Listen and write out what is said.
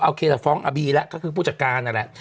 เอาเคยจะฟ้องอบีแล้วก็คือผู้จักรการนั่นแหละ